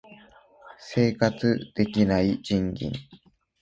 生活できない賃金